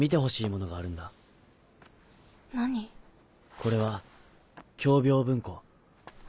これは共病文庫。